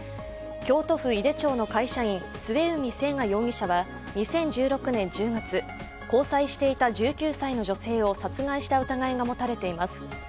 京都府井手町の会社員、末海征河容疑者は２０１６年１０月、交際していた１９歳の女性を殺害した疑いが持たれています。